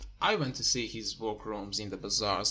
I went to see his workrooms in the bazaars.